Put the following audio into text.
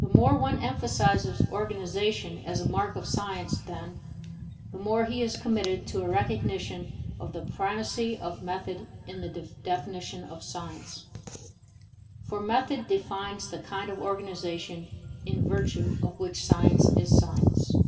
The more one emphasizes organization as a mark of science, then, the more he is committed to a recognition of the primacy of method in the definition of science. For method defines the kind of organization in virtue of which science is science.